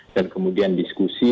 dan kemudian diskusi